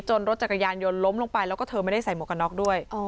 รถจักรยานยนต์ล้มลงไปแล้วก็เธอไม่ได้ใส่หมวกกันน็อกด้วย